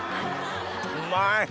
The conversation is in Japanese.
うまい！